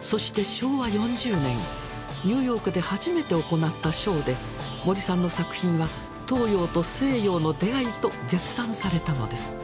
そして昭和４０年ニューヨークで初めて行ったショーで森さんの作品は「東洋と西洋の出会い」と絶賛されたのです。